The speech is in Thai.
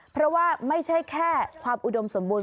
เพราะว่าไม่ใช่แค่ความอุดมสมบูรณ